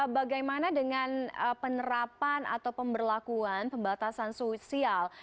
bagaimana dengan penerapan atau pemberlakuan pembatasan sosial